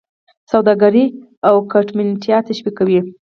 سوداګري او ګټمنتیا تشویقوي.